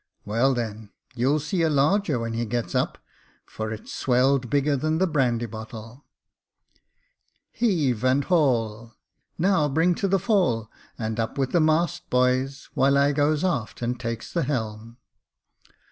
" Well, then, you'll see a larger when he gets up, for it's swelled bigger than the brandy bottle. Heave and 122 Jacob Faithful haul ! Now bring to the fall, and up with the mast, boys, while I goes aft and takes the helm."